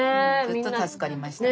助かりましたね。